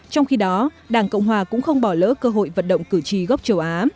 trong khi đó đảng cộng hòa cũng không bỏ lỡ cơ hội vận động cử tri gốc châu á